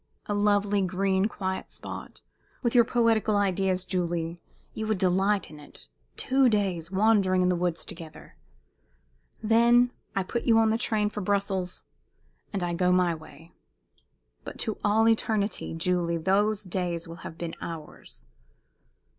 A lovely, green, quiet spot! With your poetical ideas, Julie, you would delight in it. Two days wandering in the woods together! Then I put you into the train for Brussels, and I go my way. But to all eternity, Julie, those days will have been ours!"